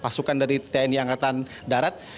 pasukan dari tni angkatan darat